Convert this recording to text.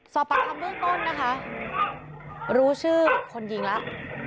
สอบปากคำเบื้องต้นนะคะรู้ชื่อคนยิงแล้ว